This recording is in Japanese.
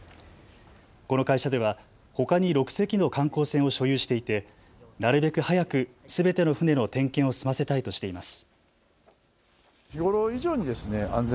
この会社では、ほかに６隻の観光船を所有していてなるべく早くすべての船の点検を済ませたいとしています。